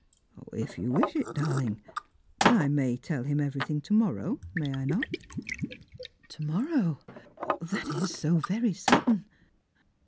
" If you wish it, darling. But I may tell him everything to morrow, may I not? "" To morrow ! That is so very sudden."